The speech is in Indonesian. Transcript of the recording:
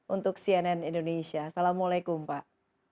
untuk cnn indonesia assalamualaikum pak